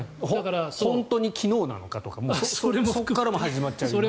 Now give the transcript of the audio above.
本当に昨日なのかとかそこから始まりますから。